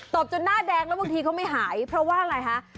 บจนหน้าแดงแล้วบางทีเขาไม่หายเพราะว่าอะไรคะ